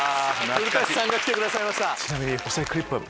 古さんが来てくださいました。